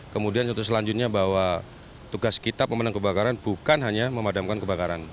kemudian contoh selanjutnya bahwa tugas kita pemenang kebakaran bukan hanya memadamkan kebakaran